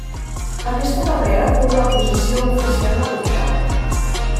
Aquesta darrera fou la posició oficial adoptada.